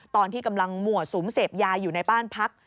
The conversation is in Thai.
ตอนที่กำลังหมวดสุมเสพยาอยู่ในบ้านพัก